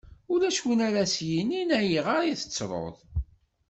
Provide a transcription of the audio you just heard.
Ulac win ara as-yinin: ayɣer i tettruḍ.